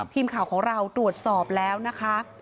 ทีมข่าวของเราตรวจสอบแล้วนะคะ